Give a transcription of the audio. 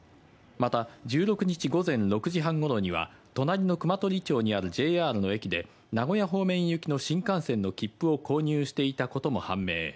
また、１６日午前６時半ごろには隣の熊取町にあるＪＲの駅で、名古屋方面行きの新幹線の切符を購入していたことも判明。